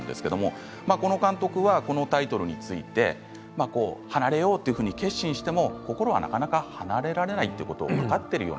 監督はこのタイトルについて離れようと決心しても心はなかなか離れられないということ分かっているよね